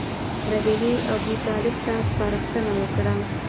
بهیري ابوطالب ته سپارښتنه وکړه.